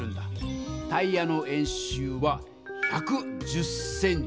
タイヤの円周は１１０ｃｍ。